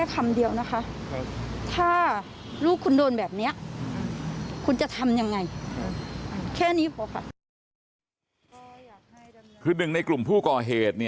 กระดับคืนหนึ่งในกลุ่มผู้ก่อเหตุ